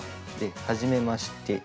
はじめまして。